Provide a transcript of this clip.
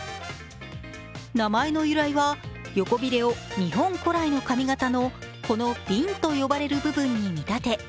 名前の由来は横びれを日本古来の髪形のこのビンと呼ばれる部分に見立て